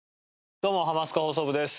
どうも『ハマスカ放送部』です。